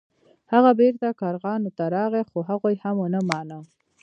هغه بیرته کارغانو ته راغی خو هغوی هم ونه مانه.